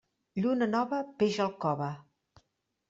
Lluna nova, peix al cove.